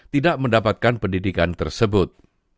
tidak mendapatkan pendidikan tersebut